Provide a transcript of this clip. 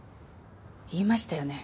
言いましたよね？